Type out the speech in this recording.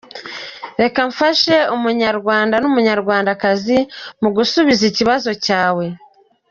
Reka mfashe umunyarwanda n’umunyarwandakazi mu gusubiza ikibazo cyawe.